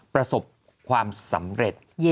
ประสบความสำเร็จ